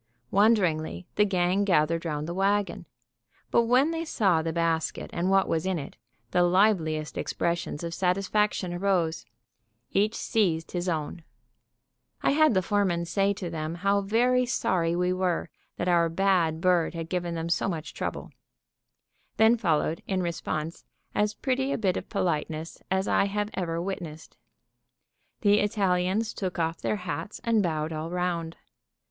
Wonderingly, the gang gathered round the wagon. But when they saw the basket and what was in it, the liveliest expressions of satisfaction arose. Each seized his own. I had the foreman say to them how very sorry we were that our bad bird had given them so much trouble. Then followed, in response, as pretty a bit of politeness as I have ever witnessed. The Italians took off their hats and bowed all round.